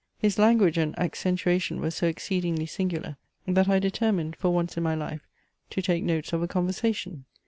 His language and accentuation were so exceedingly singular, that I determined for once in my life to take notes of a conversation.